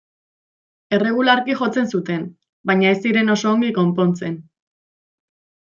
Erregularki jotzen zuten, baina ez ziren oso ongi konpontzen.